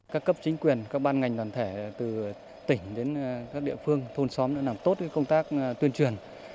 các cấp chính quyền các ban ngành đoàn thể từ tỉnh đến các địa phương thôn xóm đã làm tốt công tác tuyên truyền